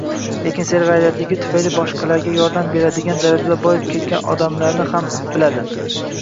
lekin serg'ayratligi tufayli boshqalarga yordam beradian darajada boyib ketgan odamlarni ham biladi.